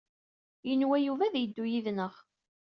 Yenwa Yuba ad d-yeddu yid-nneɣ.